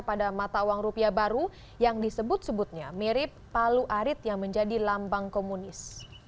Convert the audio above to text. pada mata uang rupiah baru yang disebut sebutnya mirip palu arit yang menjadi lambang komunis